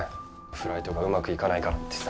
フライトがうまくいかないからってさ。